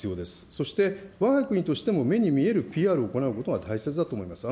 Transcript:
そして、わが国としても目に見えるＰＲを行うことが大切だと思います。